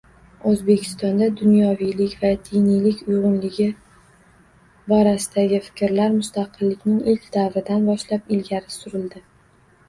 Oʻzbekistonda dunyoviylik va diniylik uygʻunligi borasidagi fikrlar mustaqillikning ilk davridan boshlab ilgari surildi.